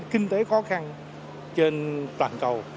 kinh tế khó khăn trên toàn cầu